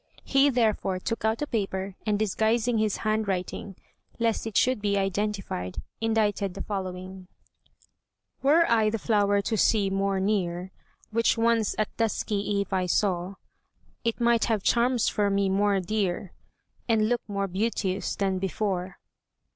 He, therefore, took out a paper, and disguising his handwriting (lest it should be identified), indited the following: "Were I the flower to see more near, Which once at dusky eve I saw, It might have charms for me more dear, And look more beauteous than before."